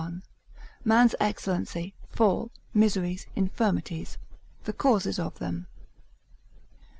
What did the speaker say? Man's Excellency, Fall, Miseries, Infirmities; The causes of them.